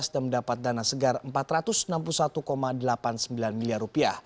dan mendapat dana segar rp empat ratus enam puluh satu delapan puluh sembilan miliar